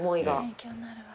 勉強になるわ。